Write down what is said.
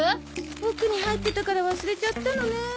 奥に入ってたから忘れちゃったのね。